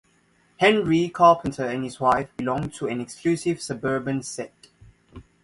Henry Carpenter and his wife belong to an exclusive suburban set.